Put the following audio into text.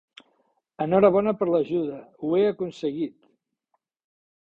Enhorabona per l'ajuda, ho he aconseguit!